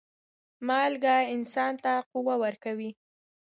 مالګه انسان ته قوه ورکوي.